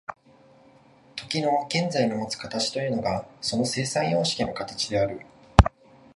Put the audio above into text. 時の現在のもつ形というのがその生産様式の形である。